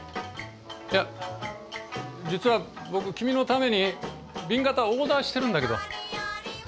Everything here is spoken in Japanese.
いや実は僕君のために紅型をオーダーしてるんだけど。